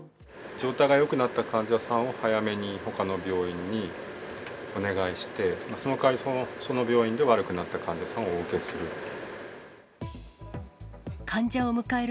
状態がよくなった患者さんを早めに、ほかの病院にお願いして、その代わり、その病院で悪くなった患者さんをお受けする。